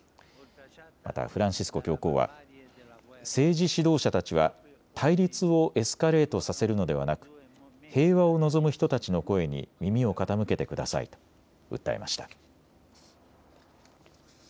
またフランシスコ教皇は政治指導者たちは対立をエスカレートさせるのではなく平和を望む人たちの声に耳を傾けてくださいと訴えました。